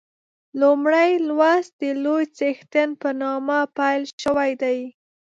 لومړی لوست د لوی څښتن په نامه پیل شوی دی.